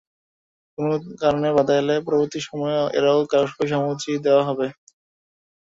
কোনো ধরনের বাধা এলে পরবর্তী সময়ে আরও কঠোর কর্মসূচি দেওয়া হবে।